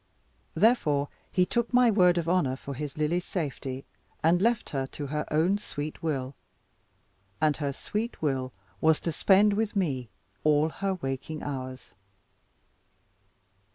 Therefore he took my word of honour for his Lily's safety; and left her to her own sweet will; and her sweet will was to spend with me all her waking hours.